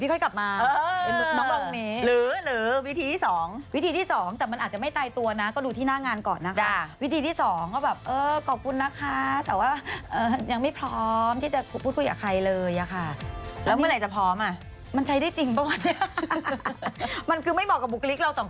โอ้โฮโอ้โฮโอ้โฮโอ้โฮโอ้โฮโอ้โฮโอ้โฮโอ้โฮโอ้โฮโอ้โฮโอ้โฮโอ้โฮโอ้โฮโอ้โฮโอ้โฮโอ้โฮโอ้โฮโอ้โฮโอ้โฮโอ้โฮโอ้โฮโอ้โฮโอ้โฮโอ้โฮโอ้โฮโอ้โฮโอ้โฮโอ้โฮโอ้โฮโอ้โฮโอ้โฮโอ้โ